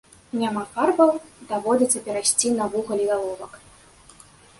Няма фарбаў, даводзіцца перайсці на вугаль і аловак.